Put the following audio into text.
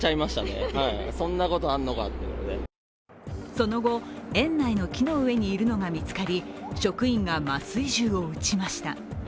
その後、園内の木の上にいるのが見つかり、職員が麻酔銃を撃ちました。